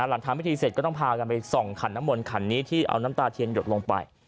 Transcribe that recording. หลังทำพิธีเสร็จก็ต้องพากันไปส่องขันน้ำมนตขันนี้ที่เอาน้ำตาเทียนหยดลงไป